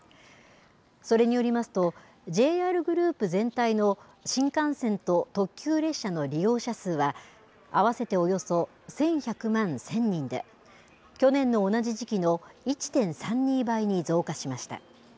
それによりますと、ＪＲグループ全体の新幹線と特急列車の利用者数は、合わせておよそ１１００万１０００人で、去年の同じ時期の１．３２倍に増加しました。